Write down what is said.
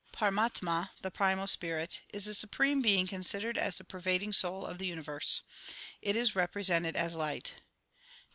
Paramatama, the primal spirit, is the Supreme Being considered as the pervading soul of the universe. It is represented as light.